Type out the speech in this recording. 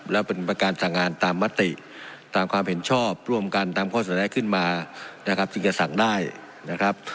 แล้วเป็นการสั่งงานตามมติตามความเห็นชอบร่วมกันตามข้อเสนอขึ้นมานะครับจึงจะสั่งได้นะครับ